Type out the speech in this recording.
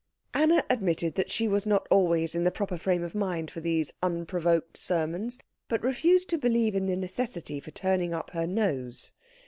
Anna admitted that she was not always in the proper frame of mind for these unprovoked sermons, but refused to believe in the necessity for turning up her nose.